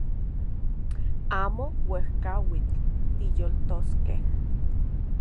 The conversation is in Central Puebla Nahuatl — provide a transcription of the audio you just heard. Amo uejkauitl tiyoltoskej